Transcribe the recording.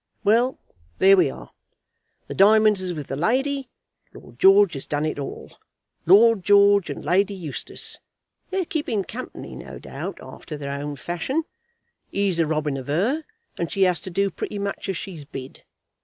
Well, there we are. The diamonds is with the lady. Lord George has done it all. Lord George and Lady Eustace, they're keeping company, no doubt, after their own fashion. He's a robbing of her, and she has to do pretty much as she's bid.